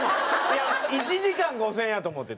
１時間５０００円やと思ってた。